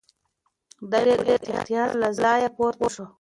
دی په ډېر احتیاط سره له ځایه پورته شو.